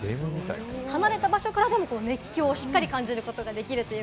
離れた場所からでもきょう、しっかり感じることができます。